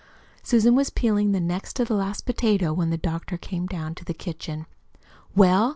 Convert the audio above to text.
Susan was peeling the next to the last potato when the doctor came down to the kitchen. "Well?"